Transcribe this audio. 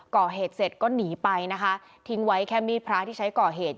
ก่อเหตุเสร็จก็หนีไปนะคะทิ้งไว้แค่มีดพระที่ใช้ก่อเหตุ